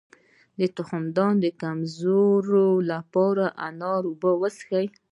د تخمدان د کمزوری لپاره د انار اوبه وڅښئ